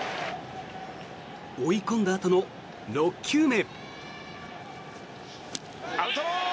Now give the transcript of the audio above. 追い込んだあとの６球目。